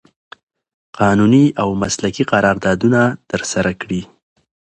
قانوني او مسلکي قراردادونه ترسره کړي